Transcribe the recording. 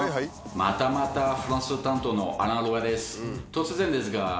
またまたフランス担当のアラン・ロワです。